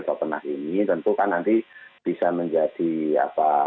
kalau pernah ini tentu kan nanti bisa menjadi apa